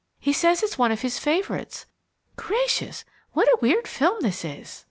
He says it's one of his favourites. Gracious, what a weird film this is!"